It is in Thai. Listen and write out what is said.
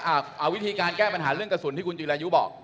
เอาวิธีการแก้ปัญหาเรื่องกระสุนที่คุณจิรายุบอก